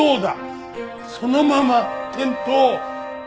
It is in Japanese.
そのまま転倒！